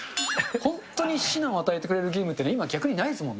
本当に指南を与えてくれるゲームって、今、逆にないですもんね。